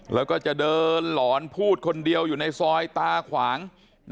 แล้วก็จะเดินหลอนพูดคนเดียวอยู่ในซอยตาขวาง